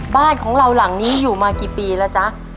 บ้านของเราหลังนี้อยู่มากี่ปีแล้วจ๊ะ